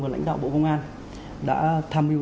và lãnh đạo bộ công an đã tham mưu